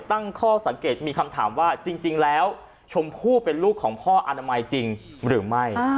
ตั้งข้อสังเกตมีคำถามว่าจริงแล้วชมพู่เป็นลูกของพ่ออนามัยจริงหรือไม่